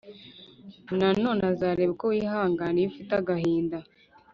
Nanone azareba uko wihangana iyo ufite agahinda